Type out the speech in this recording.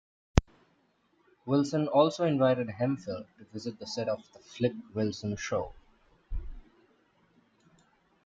Wilson also invited Hemphill to visit the set of "The Flip Wilson Show".